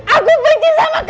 aku benci sama kamu